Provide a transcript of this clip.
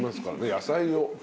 野菜を。